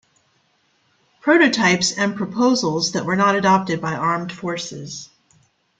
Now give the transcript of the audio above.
Prototypes and proposals that were not adopted by armed forces.